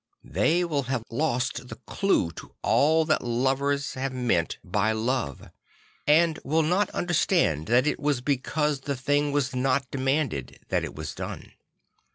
They will ha ve lost the clue to all that lovers have n1eant 9 2 St. Francis of Assisi by love; and will not understand that it was because the thing was not demanded that it was done.